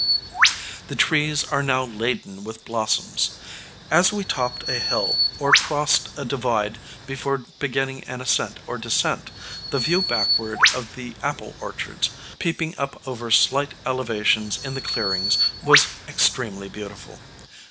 The trees are now laden with blossoms. As we topped a hill or crossed a divide before beginning an ascent or descent, the view backward of the apple orchards, peeping up over slight elevations in the clearings, was extremely beautiful.